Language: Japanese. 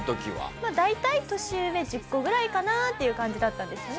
まあ大体年上１０個ぐらいかなっていう感じだったんですね？